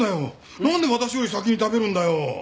なんで私より先に食べるんだよ！